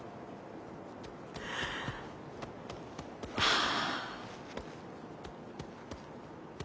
はあ。